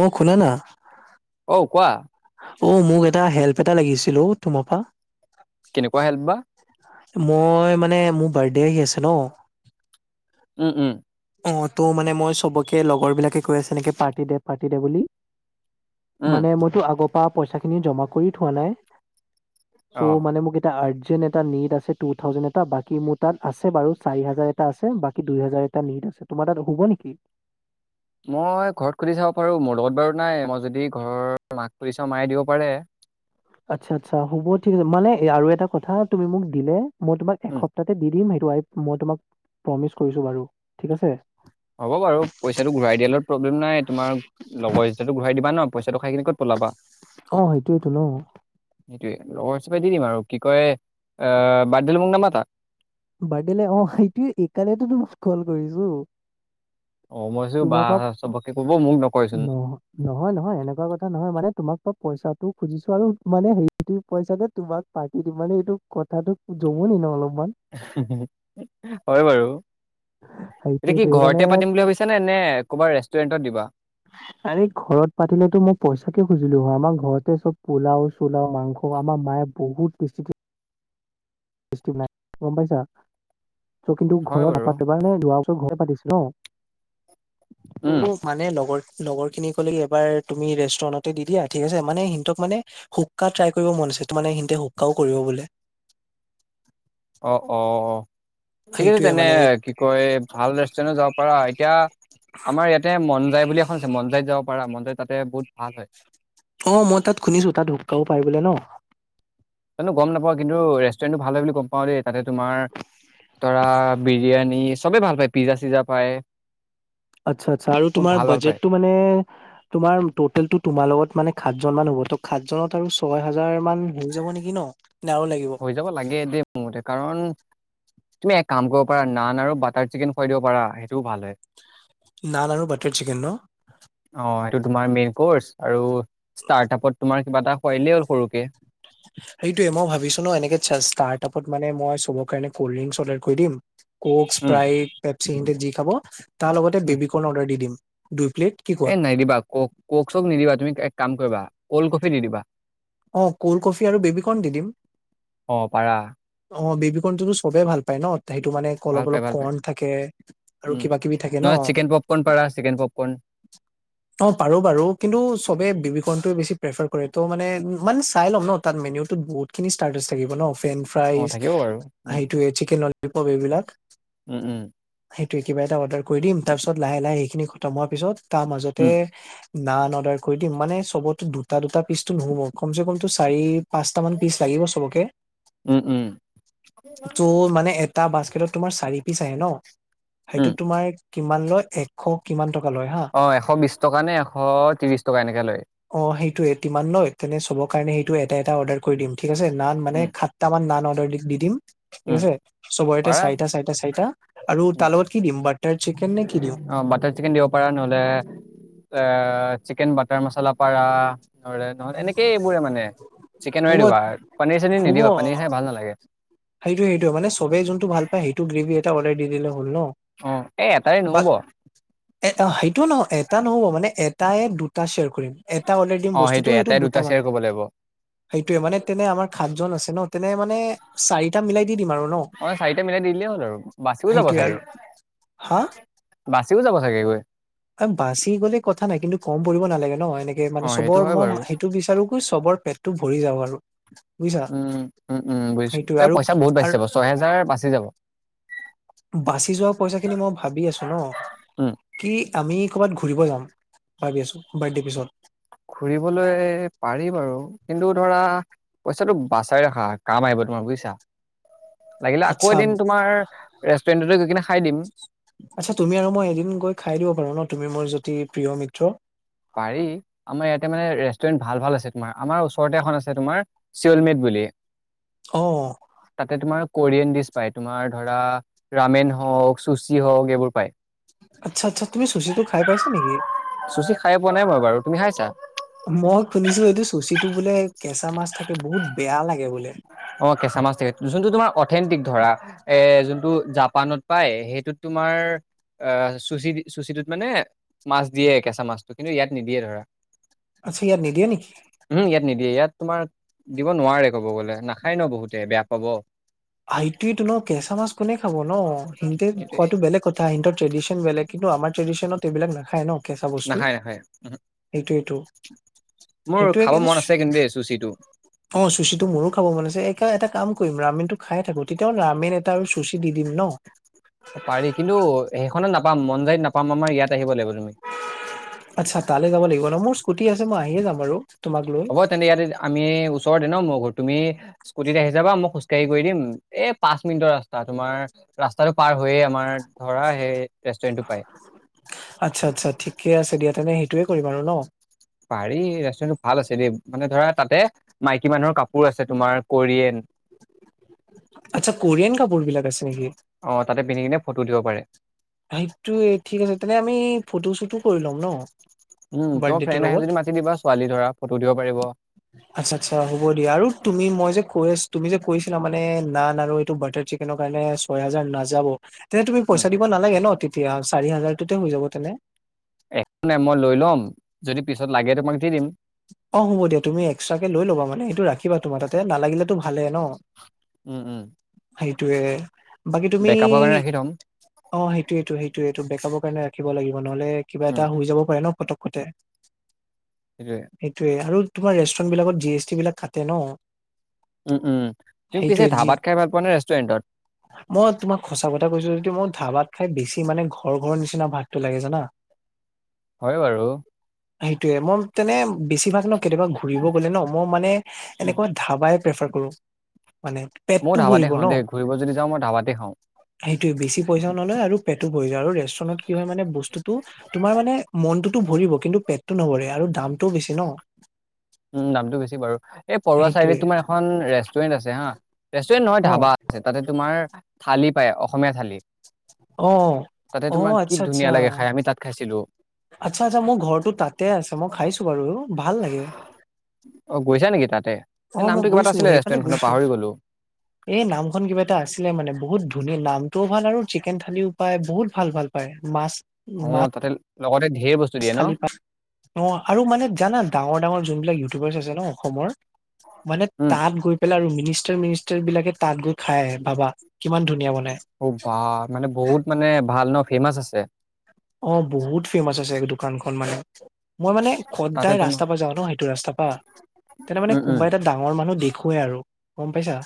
অঁ, শুনা না? অঔ, কোৱা? অঁ, মোক এটা হেল্প এটা লাগিছিল অওঁ তোমাৰ পৰা। কেনেকুৱা হেল্প বা? মই মানে মোৰ বাৰ্থডে আহি আছে ন। উম, উম। অঁ, ত মানে মই চবকে লগৰ বিলাকে কৈ আছে এনেকে পাৰ্টি দে, পাৰ্টি দে বুলি। উম মানে মইতো আগৰ পৰা পইচাখিনি জমা কৰি থোৱা নাই। অ চ' মানে মোক- এটা আৰ্জেণ্ট এটা নিড আছে টু থাউজেণ্ড এটা বাকী মোৰ তাত আছে বাৰু চাৰি হাজাৰ এটা আছে বাকী দুই হাজাৰ এটা- এটা নিট আছে, তোমাৰ তাত হ'ব নেকি? মই ঘৰত সুধি চাব পাৰো, মোৰ লগত বাৰু নাই। মই যদি ঘৰৰ মাক সুধি চাও মায়ে দিব পাৰে। আচ্ছা -আচ্ছা হ'ব ঠিক আছে মানে আৰু এটা কথা তুমি মোক দিলে- মই তোমাক উম এসপ্তাহতে দি দিম সেইটো মই তোমাক প্ৰমিচ কৰিছো বাৰু, ঠিক আছে। হ'ব বাৰু, পইচাটো ঘূৰাই দিয়াৰ লগত প্ৰব্লেম নাই। তোমাৰ- লগৰ যেতিয়াটো ঘূৰাই দিবা ন পইচা খাই কিনি ক'ত পলাবা অ সেইটোৱে তো ন সেইটোয়ে লগৰ হিচাপে দি দিম আৰু কি কয় আহ বাৰ্থডেলে মোক নামাটা বাৰ্থডেলে অ সেইটোৱে এই কাৰনেতো তো কল কৰিছো অ মই ভাবিছো বা তোমাৰ পৰা চবাকে কব মোক নকয় চোন নহ নহয়, নহয় এনেকুৱা কথা নহয় মানে তোমাক মই পইচাটো খুজিছো আৰু মানে সেইটো পইচাতে তোমাক পাৰ্তি দিম মানে এইটো কথাটো জমনি ন' অলপমান। হয় বাৰু। এতিয়া কি সেইটোৱেতো সেইকাৰণে ঘৰতে পাতিম বুলি ভাবিছা নে, নে ক'বাৰ ৰেষ্টুৰেণ্টত দিবা? আৰে ঘৰত পাতিলে তো মই পইচাকে খুজিলো হয় আমাৰ ঘৰতে চব পোলাওঁ চোলাও মাংস আমাৰ মায়ে বহুত টেষ্টিকে [unintelligible] বনাই গম পাইছা ত' কিন্তু হয় ঘৰত বাৰু নাপাতো [unintelligible] ঘৰতে পাতিছো ন'। উম [unintelligible] মানে লগৰ- লগৰ খিনি ক'লে কি এবাৰ তুমি ৰেষ্টুৰেন্টতে দি দিয়া ঠিক আছে, মানে সিহঁতক মানে শুকা ট্ৰাই কৰিব মন আছে, ত' মানে সহতে শুকাও কৰিব বোলে। অ', অ', ঠিক আছে সেইটোয়ে তেনে মানে কি কয় ভাল ৰেষ্টুৰেণ্ট যাব পাৰা এতিয়া আমাৰ ইয়াতে মন যাই বুলি এখন আছে মন যাইত যাব পাৰা মন যাই তাতে বহুত ভাল হয়। অ' মই তাত শুনিছো তাত হুকাও পাই বোলে ন! জানো গম নাপাও, কিন্তু ৰেষ্টুৰেণ্টো ভাল হয় বুলি গম পাওঁ দেই তাতে তোমাৰ ধৰা বিৰিয়ানী চবে ভাল পায় পিজ্জা চিজা পায়। আচ্ছা, আচ্ছা আৰু বহুত তোমাৰ ভাল ভাল পায় বাজেটটো মানে তোমাৰ টটেলটো তোমাৰ লগত মানে সাতজন মান হ'ব ত' সাতজনত আৰু ছয় হাজাৰ মান হৈ যাব নেকি ন? নে আৰু লাগিব? হৈ যাব লাগে দেই মোৰ মতে কাৰণ তুমি এক কাম কৰিব পাৰা নান আৰু বাটাৰ চিকেন খুৱাই দিব পাৰা সেইটোও ভাল হয়। নান আৰু ৱাটাৰ চিকেন ন অ' এইটো তোমাৰ মেইন কৰ্চ আৰু ষ্টাৰ্টাপত তোমাৰ কিবা এটা খোৱাই দিলেই হ'ল সৰুকে। [inaudible] সেইটোৱে মই ভাবিছো ন' এনেক ষ্টাৰ্টপত মানে মই চবৰ কাৰণে কলডিংচ অৰ্ডাৰ কৰি দিম। কক উম স্প্ৰাইট পেপচি সিহঁতে যি খাব তাৰ লগতে উম বেবিকৰ্ণ অৰ্ডাৰ দি দিম দুই প্লেট। কি এ কোৱা নাইদিবা ক- ক'ক চক নিদিবা তুমি এক কাম কৰিবা কল্ড কফি দি দিবা। অ' কোল্ড কফি আৰু বেবি কৰ্ণ দি দিম। অ পাৰা অ' বেবি কৰ্ণতো টো চবেই ভাল পায় ন। সেইটো মানে অলপ ভাল পায়, অলপ ভাল পায়। কৰ্ণ থাকে আৰু উম, কিবা কিবি থাকে ন নহয় চিকেন পপকৰ্ণ পাৰা, চিকেন পপকৰ্ণ অ' পাৰো বাৰু কিন্তু চবে বিবীকৰ্ণটোয়ে বেছি প্ৰেফাৰ কৰে ত' মানে মানে চাই ল'ম ন' তাত মেনিউটোত বহুত খিনি ষ্টাৰ্টাচ থাকিব ন' ফেন অ', ফ্ৰাইচ থাকিব বাৰু। উম, সেইটোৱে চিকেন ললিপপ এইবিলাক উম, উম। সেইটোৱে কিবা এটা অৰ্ডাৰ কৰি দিম তাৰ পিছত লাহে লাহে সেইখিনি খতম হোৱাৰ পিছত তাৰ মাজতে উম, নান অৰ্ডাৰ কৰি দিম মানে চবত দুটা দুটা পিচতটো নহ'ব কমচে কমটো চাৰি পাঁচটামান পিচ লাগিব চবকে, উম, উম, ত' মানে এটা বাস্কেটত তোমাৰ চাৰি পিচ আহে ন' উম, সেইটো তোমাৰ কিমান লয় এক শ কিমান টকা লয় হা। অ' এশ বিছ টকা নে, এশ ত্ৰিছ টকা এনেকে লয়। অ' সেইটোয়ে তিমান লয় তেনে চবৰ কাৰণে সেইটো এটা এটা অৰ্ডাৰ কৰি দিম ঠিক আছে, নান মানে উম, সাতটা মান নান অৰ্ডাৰ দি- দি দিম। ঠিক উম, আছে চবৰেতে পাৰা। চাৰিটা, চাৰিটা, চাৰিটা আৰু উম, তাৰ লগত কি দিম বাটাৰ চিকেন নে কি দিও অ' বাটাৰ চিকেন দিব পাৰা নহলে আ চিকেন বাটাৰ মাছালা পাৰা। নহলে নহলে এনেকেই এইবোৰে মানে চিকেনৰে হ'ব দিবা পনীৰ চনীৰ নিদিবা পনীৰ হ'ব খাই ভাল নালাগে। সেইটো সেইটো মানে চবেই যোনটো ভাল পায় সেইটো গ্ৰেভি এটা দি দিলে ন। অ', এই এটাৰে বা নহ'ব। এ সেইটোও নহয় এটা নহ'ব মানে এটাই দুটা শ্বেয়াৰ কৰিম। এটা অৰ্ডাৰ দিম অ', বস্তুটো সেইটোৱে সেইটো এটাই দুটা শ্বেয়াৰ বনাম। কৰিব লাগিব। সেইটোয়ে মানে তেনে আমাৰ সাতজন আছে ন, তেনে মানে চাৰিটা মিলাই দি দিম আৰু ন অ' চাৰিটা মিলাই দি দিলেই হ'ল আৰু, বাচিও যাব সেইটোয়ে আৰু চাগে। হা বাছিও যাব চাগে গৈ। বাচি গ'লে কথা নাই, কিন্তু কম পৰিব নালাগে ন, এনেকে মানে অ', সেইটো চবৰ হয় মই বাৰু। সেইটো বিচাৰো। তো চবৰ পেটতো ভৰি যাওক আৰু। বুজিছা উম, উম, উম বুজিছো সেইটোয়ে এই আৰু পইচা বহুত বাচি আৰু যাব, ছয় হেজাৰ বাচি যাব। বাচি যোৱা পইচা খিনি মই ভাবি আছো ন উম কি আমি ক'ৰবাত ঘূৰিব যাম ভাবি আছো বাৰ্থডে পিছত ঘুৰিবলৈ পাৰি বাৰু, কিন্তু ধৰা পইচাটো বাচাই ৰাখা কাম আহিব তোমাৰ বুজিছা। লাগিলে আকৌ আচ্ছা এদিন তোমাৰ ৰেষ্টুৰেণ্টতে গৈ কিনে খাই দিম। আচ্ছা তুমি আৰু মই এদিন গৈ খাই দিব পাৰো ন তুমি মোৰ যদি প্ৰিয় মিত্ৰ পাৰি, আমাৰ ইয়াতে মানে ৰেষ্টুৰেণ্ট ভাল ভাল আছে তোমাৰ, আমাৰ ওচৰতে এখন আছে তোমাৰ শিঅলমিদ বুলি। অ'। তাতে তোমাৰ কোৰিয়ান ডিছ পায়, তোমাৰ ধৰা ৰামেন হওঁক চুচি হওঁক এইবোৰ পায়। আচ্ছা আচ্ছা তুমি চুচিতো খাই পাইছা নেকি চুচি খাই পোৱা নাই মই বাৰু, তুমি খাইছা মই শুনিছো এইটো চুচিটো বোলে কেঁচা মাছ থাকে বহুত বেয়া লাগে বোলে। অ' কেচা মাছ থাকে, যোনটো তোমাৰ অথেণ্টিক ধৰা। এ যোনটো জাপানত পায় সেইটোত তোমাৰ আহ চুচি চুচিটোত মানে মাছ দিয়ে কেচা মাছটো, কিন্তু ইয়াত নিদিয়ে ধৰা। আচ্ছা ইয়াত নিদিয়ে নেকি ওহো ইয়াত নিদিয়ে, ইয়াত তোমাৰ দিব নোৱাৰে ক'ব গলে নাখায় ন বহুতে বেয়া পাব। সেইটোৱেটো ন কেঁচা মাছ কোনে খাব ন সিহ'তে সেইটোৱে খোৱাতো বেলেগ কথা। কথা সিহ'তৰ ট্ৰেডিশ্যন বেলেগ, কিন্তু আমাৰ ট্ৰেডিশ্যনত এইবিলাক নাখায় ন কেঁচা বস্তু নাখায় নাখায় উহু, সেইটোৱেইটো। মোৰ খাব মন আছে কিন্তু দেই চুচিটো অ' চুচিটো মোৰো খাব মন আছে, একা এটা কাম কৰিম আমিতো খাই থাকো তেতিয়া হ'লে ৰামেন এটা আৰু চুচী দি দিম ন পাৰি কিন্তু সেইখনত নাপাম মন যায়ত নাপাম, আমাৰ ইয়াত আহিব লাগিব তুমি আচ্ছা তালৈ যাব লাগিব ন, মোৰ স্কুটি আছে মই আহিয়ে যাম আৰু তোমাক লৈ। হব তেন্তে ইয়াতে আমি ওচৰতে ন মোৰ ঘৰ, তুমি স্কুটিত আহি যাবা মই খোজকাঢ়ি গৈ দিম, এই পাঁচ মিনিটৰ ৰাস্তা তোমাৰ। ৰাস্তাটো পাৰ হৈয়ে আমাৰ ধৰা সেই ৰেষ্টুৰেন্টটো পায়। আচ্ছা, আচ্ছা ঠিকে আছে দিয়া তেন্তে সেইটোয়ে কৰিম আৰু ন। পাৰি ৰেষ্টুৰেটো ভাল আছে দেই, মানে ধৰা তাতে মাইকী মানুহৰ কাপোৰ আছে তোমাৰ কোৰিয়েন। আচ্ছা কৰিয়েন কাপোৰ বিলাক আছে নেকি? অ' তাতে পিন্ধি কিনে ফটো উঠিব পাৰে। সেইটোয়ে ঠিক আছে, তেনে আমি ফটো শ্বুটো কৰি ল'ম ন? উম, তোমাৰ বাৰ্থডেটোৰ ফ্ৰেণ্ড আহে লগত যদি মাতি দিবা ছোৱালী- ল'ৰা ফটো উঠিব পাৰিব। [unintelligible] আচ্ছা, আচ্ছা হ'ব দিয়া, আৰু তুমি মই যে কৈ আছ তুমি যে কৈছিলা মানে নান আৰু এইটো বাটাৰ চিকেনৰ কাৰণে ছয় হাজাৰ নাযাব, তেন্তে তুমি উম পইচা দিব নালাগে ন' তেতিয়া চাৰি হাজাৰটোতে হৈ যাব তেনে। একো নাই। মই লৈ ল'ম যদি পিছত লাগে তোমাক দি দিম। অ', হ'ব দিয়া তুমি এক্সট্ৰাকে লৈ ল'বা মানে সেইটো ৰাখিবা তোমাৰ তাতে নালাগিলেতো ভালে ন'। উম' উম। সেইটোয়ে বাকী তুমি বেকআপৰ কাৰণে ৰাখি থ'ম অ' সেইটোয়েটো-সেইটোয়েটো বেকআপৰ কাৰণে ৰাখিব লাগিব। নহলে কিবা উম এটা হৈ যাব পাৰে ন ফটকটে। [inaudible] সেইটোয়ে আৰু তোমাৰ ৰেষ্টুৰেন্ট বিলাকত জি এছ ট বিলাক কাটে ন। উম, উম তুমি পিছে সেইটোয়ে যি ধাবাত খাই ভাল পোৱা নে ৰেষ্টুৰেণ্টত? মই তোমাক সঁচা কথা কৈছো। যদি মই ধাবাত খাই বেছি মানে ঘৰ ঘৰৰ নিচিনা ভাতটো লাগে জানা। [inaudible] হয় বাৰু সেইটোয়ে মই তেনে বেছিভাগ ন কেতিয়াবা ঘূৰিব গ'লে ন মই মানে এনেকোৱা ধাৱাই প্ৰেফাৰ কৰো মানে মই পেটটো ধাবাতে ভৰিব খাওদে ঘূৰি গৈ যদি যাও ধাবাতে খাও। সেইটোৱে বেছি পইচা নলয় আৰু পেটটো ভৰি যায়, আৰু ৰেষ্টুৰেন্টত কি হয় মানে বস্তুতটো তোমাৰ মানে মনটোতো ভৰিব কিন্তু পেটটো নভৰে আৰু দামটোও বেছি ন'। উম, দামটো বেছি বাৰু পৰুৱা চাইডে সেইটোয়ে তোমাৰ এখন ৰেষ্টুৰেণ্ট আছে হা ৰেষ্টুৰেণ্ট নহয় অ ধাবা আছে। তাতে তোমাৰ থালি পায় অসমীয়া থালি। অ তাতে অ তোমাৰ কি ধুনীয়া লাগে খাই আমি তাত খাইছিলো। আচ্ছা-আচ্ছা মোৰ ঘৰটো তাতে আছে। মই খাইছো বাৰু ভাল লাগে। অ' গৈছা নেকি তাতে অ এই মই নামটো কিবা এটা গৈছো আছিলে সেইফালে ৰেষ্টুৰেণ্ট খনৰ গৈছো পাহৰি গ'লো। এই নামখন কিবা এটা আছিলে, মানে বহুত ধুনীয়া নামটোও ভাল আৰু চিকেন থালিও পায়। বহুত ভাল ভাল। হয় মাছ অ' তাতে লগতে ধেৰ বস্তু দিয়ে ন খালি পাত অ' আৰু মানে জানা ডাঙৰ ডাঙৰ যোনবিলাক ইউটিউবাৰ্চ আছে ন অসমৰ মানে উম তাত গৈ পেলাই আৰু মিনিষ্টাৰ, মিনিষ্টাৰ বিলাকে তাত গৈ খাই আহে ভাবা কিমান ধুনীয়া বনাই। অ' বা তাতে বহুত মানে ভাল ন' ফেমাচ আছে। অ'তো বহুত ফেমাচ আছে মানে দোকানখন মানে মই মানে তাতে সদাই তোমাৰ ৰাস্তা প পৰা যাওঁ ন' সেইটো ৰাস্তাৰ পৰা তেতিয়া মানে উম উম কোনোবা এটা ডাঙৰ মই মানুহ দেখুৱে আৰু গম পাইছা।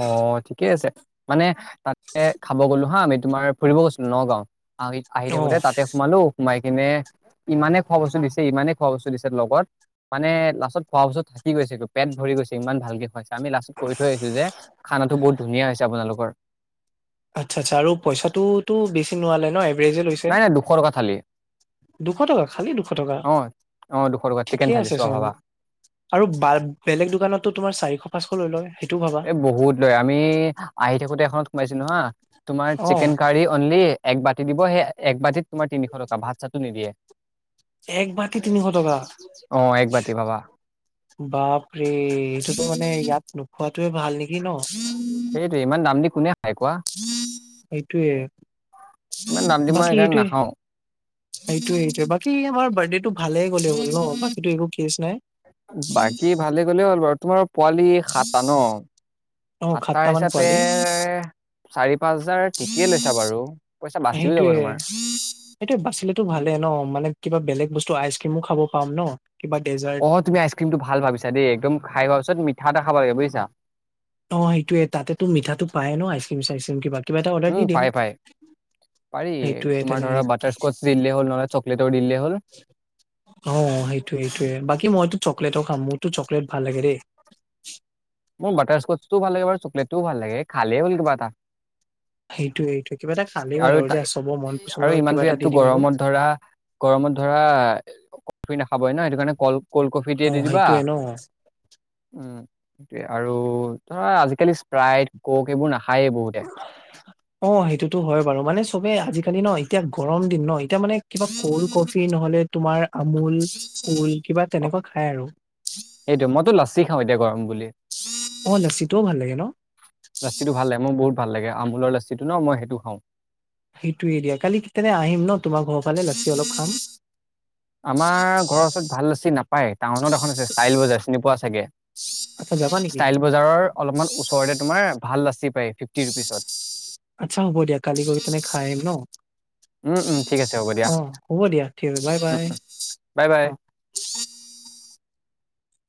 অ', ঠিকে আছে। মানে তাতে খাব গ'লো হা আমি তোমাৰ ফুৰিব গৈছিলো নগাঁও। আহি অ থাকোতে তাতে সোমালো। সোমাই কিনে ইমানে খোৱা বস্তু দিছে, ইমানে খোৱা বস্তু দিছে লগত মানে লাষ্টত খোৱা বস্তু থাকি গৈছে। পেট ভৰি গৈছে ইমান ভালকে খোৱাইছে। আমি লাষ্টত কৰি থৈ আহিছো যে খানাটো বহুত ধুনীয়া হৈছে আপোনালোকৰ। আচ্ছা আচ্ছা আৰু পইচাতো তো বেছি লোৱা নাই ন। এভাৰেজে লৈছে নাই নাই দুশ টকা থালি। দুশ টকা খালি দুশ টকা অ অ দুশ টকা চিকেন ঠিকে থালি আছে চোৱা চোন। ভাবা আৰু বা বেলেগ দোকানতো তোমাৰ চাৰিশ পাঁচশ লৈ লয় সেইটোও ভাবা। এই বহুত লয় আমি আহি থাকোতে এখনত সোমাইছিলো হা তোমাৰ অ চিকেন কাৰি অনলি, এক বাতি দিব সেই এক বাতিত তোমাৰ তিনিশ টকা ভাত চাতো নিদিয়ে। এক বাতি তিনিশ টকা। অ এক বাতি ভাবা বাপৰে এইটোতো মানে ইয়াত নোখোৱাতোয়ে ভাল নেকি ন? সেইটোৱে ইমান দাম দি কোনে খাই কোৱা সেইটোয়ে ইমান দাম দি মই বাকী সেইকাৰণে এইটোয়ে। নাখাওঁ। এইটোয়ে এইটোৱে বাকী আমাৰ বাৰ্থডেটো ভালেই গ'লে হ'লে ন বাকী তো একো কেচ নাই। বাকী ভালে গ'লে হ'ল বাৰু তোমাৰ পোৱালি সাতটা ন। অ সাতটা মান হিচাপে পোৱালি চাৰি পাঁচ হাজাৰ ঠিকেই লৈছা বাৰু। পইচা বাচিও যাব সেইটোয়ে। তোমাৰ সেটো বাচিলেতো ভালে ন কিবা বেলেগ বস্তু আইচ ক্ৰীমো খাব পাম ন। কিবা ডেজাৰ্ট অ তুমি আইচক্ৰীমটো ভাল ভাবিছা দেই একদম খাই হোৱাৰ পিছত মিঠা এটা খাব লাগে বুজিছা। অ সেইটোৱেই তাতেটো মিঠাটো পায়েই ন আইচ ক্ৰীম চাইচ ক্ৰীম কিবা। কিবা এটা অৰ্ডাৰ উম দি দিম পাই পাই পাৰি সেইটোয়ে তোমাৰ তেনে ধৰা বাটাৰ, কচ দিলে হল নহলে চকলেটও দিলে হ'ল। অ সেইটোয়ে সেইটোয়ে বাকী মইতো চকলেটো খাম মোৰতো চকলেট ভাল লাগে দেই। মোৰ বাটাৰ স্কচটোও ভাল লাগে চকলেটোও ভাল লাগে খালে হল কিবা এটা। সেইটোয়ে এইটো কিবা এটা খালেই হল আৰু বাৰু এ তাই- চব মন আৰু পচন্দৰ কিবা ইমানটো এটা দি ইয়াততো দিম আৰু। গৰমত ধৰা, গৰমত ধৰা কফি নাখাবই ন সেইটো কাৰণে কল, ক'ল্ড কফি অ টোৱে দি দিবা। সেইটোয়ে ন উম সেইটোৱে আৰু ধৰা আজিকালি স্প্ৰাইট কক এইবোৰ নাখায়েই বহুতে। [inaudible] অ সেইটোতো হয় বাৰু মানে চবে আজিকালি ন এতিয়া গৰম দিন ন এতিয়া মানে কিবা কল্ড কফি নহলে, তোমাৰ আমুল কল্ড কিবা তেনেকুৱা খায় আৰু। সেইটো মইতো লাচি খাওঁ এতিয়া গৰম বুলি। অ লাচিটোও ভাল লাগে ন। লাচিটো ভাল লাগ মই বহুত ভাল লাগে আমুলৰ লাচিটো ন মই সেইটো খাওঁ। সেইটোয়ে দিয়া কালি কেতিয়াৰে আহিম ন তোমাৰ ঘৰৰ ফালে লাচী অলপ খাম। আমাৰ ঘৰৰ ওচৰত ভাল লছি নাপায় টাউনত এখন আছে ষ্টাইল বজাৰ চিনি পোৱা চাগে। আচ্ছা যাবা নেকি? ষ্টাইল বজাৰৰ অলপমান ওচৰতে তোমাৰ ভাল লাচি পায় ফিফটি ৰুপিচত। আচ্ছা হ'ব দিয়া কালি গৈ কেনে খাই আহিম ন। উম, উম, ঠিক আছে হ'ব দিয়া, অ হ'ব দিয়া ঠিক আছে বাই উম, বাই। উম, বাই বাই। অ।